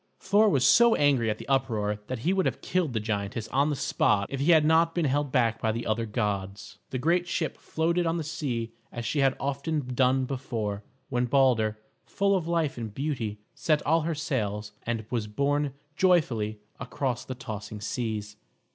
Thor was so angry at the uproar that he would have killed the giantess on the spot if he had not been held back by the other gods. The great ship floated on the sea as she had often done before, when Balder, full of life and beauty, set all her sails and was borne joyfully across the tossing seas.